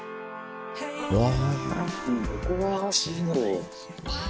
うわ！